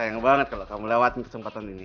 sayang banget kalau kamu melewati kesempatan ini